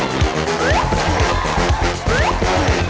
ครับ